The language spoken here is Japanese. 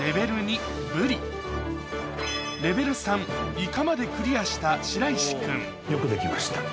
前回までクリアした白石君よくできました。